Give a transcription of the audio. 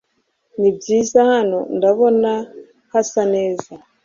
Nibyiza hano.ndabona hasa neza